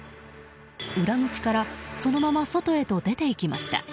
裏口からそのまま外へと出ていきました。